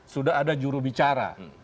sudah ada jurubicara